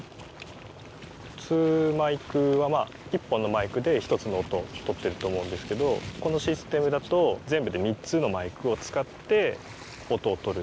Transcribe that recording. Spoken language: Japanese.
普通マイクは１本のマイクで１つの音をとってると思うんですけどこのシステムだと全部で３つのマイクを使って音をとる。